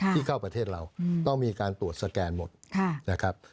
ที่เข้าประเทศเราต้องมีการตรวจสแกนหมดนะครับ